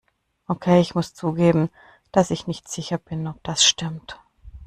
Okay, ich muss zugeben, dass ich nicht sicher bin, ob das stimmt.